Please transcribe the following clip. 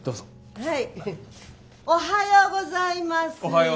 はい。